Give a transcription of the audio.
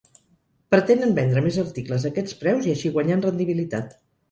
Pretenen vendre més articles a aquests preus i així guanyar en rendibilitat.